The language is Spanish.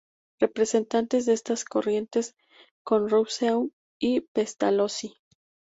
Representantes de esta corriente son Rousseau y Pestalozzi